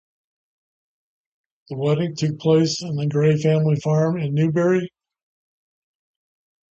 The wedding took place at the Gray family farm in Newbury.